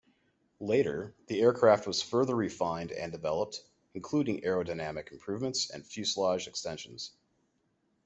Later, the aircraft was further refined and developed, including aerodynamic improvements and fuselage extensions.